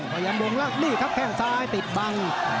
แผงบงลักนี่ครับซ้ายติดบัง